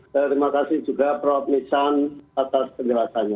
terima kasih juga prof nisan atas penjelasannya